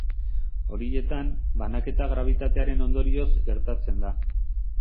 Horietan, banaketa grabitatearen ondorioz gertatzen da.